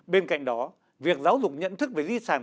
bên cạnh đó việc giáo dục nhận thức về di sản